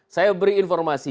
saya beri informasi